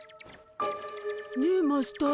ねえマスター。